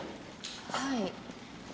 はい。